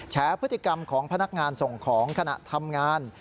แฉพฤติกรรมของพนักงานส่งของขณะทำงาน